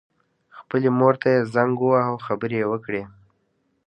خپلې مور ته یې زنګ وواهه او خبرې یې وکړې